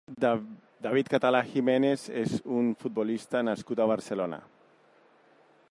David Català Jiménez és un futbolista nascut a Barcelona.